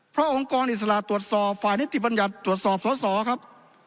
เพราะองค์กรอิสระตรวจสอบฝ่ายนิติบัญญัติตรวจสอบสอสอครับ